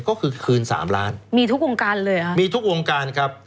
ก็คือคืนสามล้านมีทุกวงการเลยฮะมีทุกวงการครับ